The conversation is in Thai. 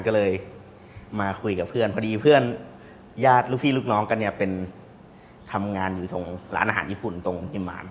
ก็เลยมาคุยกับเพื่อนพอดีเพื่อนญาติลูกพี่ลูกน้องกันเนี่ยเป็นทำงานอยู่ตรงร้านอาหารญี่ปุ่นตรงอิมาน